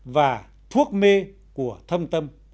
và thuốc mê của thâm tâm